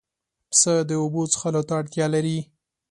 پسه د اوبو څښلو ته اړتیا لري.